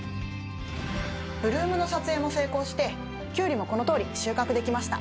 ブルームの撮影も成功してキュウリもこのとおり収穫できました！